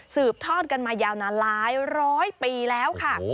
สืบทอดกันมายาวนานหลายร้อยปีแล้วค่ะ